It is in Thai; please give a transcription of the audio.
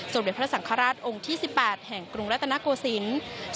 เด็จพระสังฆราชองค์ที่๑๘แห่งกรุงรัตนโกศิลป์